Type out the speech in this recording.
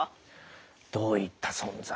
どういった存在ね。